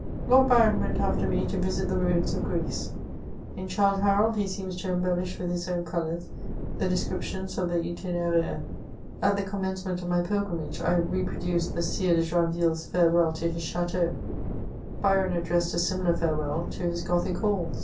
Lord Byron went a&er me to visit the rains of Greece. In Childe Uardd he seems to embellish with his own colours the descriptions of the Itineraire, At the commencement oi my ^Igrimage I re produced the Sire de Joinville's farewell to his ch&teau; Byron addressed a similar farewell to lus Gothic halk.